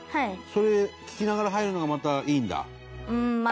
それ聴きながら入るのがまたいいんだ？